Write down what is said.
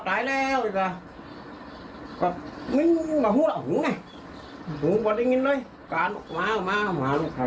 ติดฮักลงมาค่ะติดฮักลงมาค่ะ